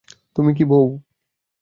তুমি কি বউ?